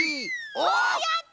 おおやった！